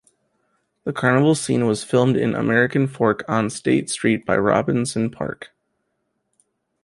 The carnival scene was filmed in American Fork on State Street by Robinson Park.